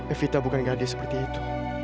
evita bukan gadis seperti itu